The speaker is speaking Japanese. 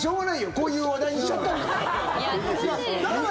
こういう話題にしちゃったんだから。